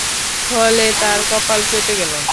ফলে তার কপাল কেটে গেল।